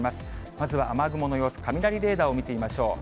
まずは雨雲の様子、雷レーダーを見てみましょう。